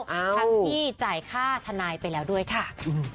ทั้งที่จ่ายค่าทนายไปแล้วด้วยค่ะ